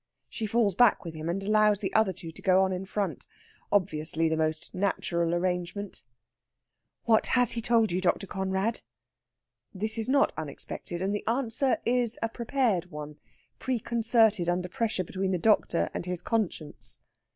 She falls back with him, and allows the other two to go on in front. Obviously the most natural arrangement. "What has he told you, Dr. Conrad?" This is not unexpected, and the answer is a prepared one, preconcerted under pressure between the doctor and his conscience.